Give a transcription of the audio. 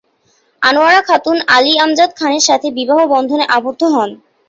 আনোয়ারা খাতুন আলী আমজাদ খানের সাথে বিবাহ বন্ধনে আবদ্ধ হন।